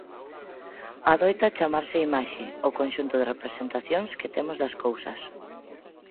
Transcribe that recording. Adoita chamarse "imaxe" ó conxunto das representacións que temos das cousas.